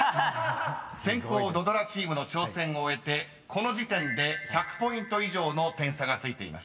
［先攻土ドラチームの挑戦を終えてこの時点で１００ポイント以上の点差がついています］